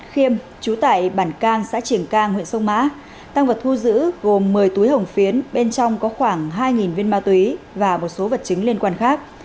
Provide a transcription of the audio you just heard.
khiêm trú tại bản cang xã triển cang huyện sông mã tăng vật thu giữ gồm một mươi túi hồng phiến bên trong có khoảng hai viên ma túy và một số vật chứng liên quan khác